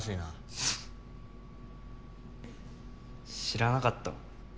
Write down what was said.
知らなかったの？